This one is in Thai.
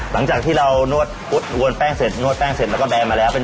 หลังจากที่เรานวดอวนแป้งเสร็จนวดแป้งเสร็จแล้วก็แนนมาแล้ว